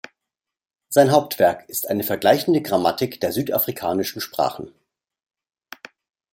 Sein Hauptwerk ist eine vergleichende Grammatik der südafrikanischen Sprachen.